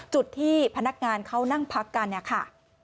จุดที่พนักงานเขานั่งพักกันเนี่ยค่ะ